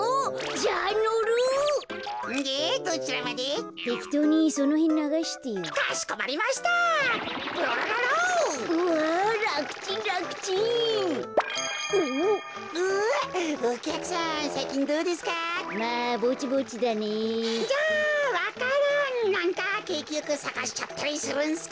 じゃあわか蘭なんかけいきよくさかしちゃったりするんすか？